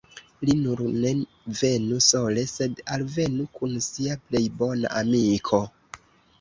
Li nur ne venu sole, sed alvenu kun sia plej bona amiko.